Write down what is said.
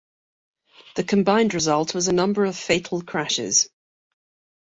The combined result was a number of fatal crashes.